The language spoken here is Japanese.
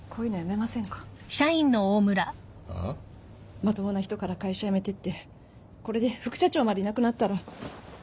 まともな人から会社辞めてってこれで副社長までいなくなったら。